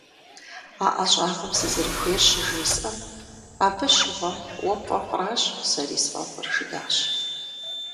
А ӀэщӀагъэм сызэрыхуейр щыжесӀэм, «абы щыгъуэм уэ пфӀэфӀращ сэри сфӀэфӀыр» жиӀащ.